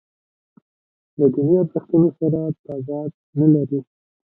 له دیني ارزښتونو سره تضاد نه لري.